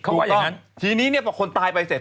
เขาว่าอย่างงั้นทีนี้เนี่ยพอคนตายไปเสร็จ